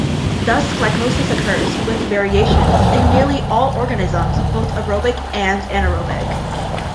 Thus, glycolysis occurs, with variations, in nearly all organisms, both aerobic and anaerobic.